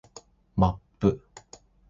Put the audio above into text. マップ